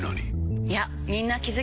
いやみんな気付き始めてます。